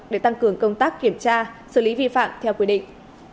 để tăng cường công tác kiểm tra xử lý vi phạm theo quy định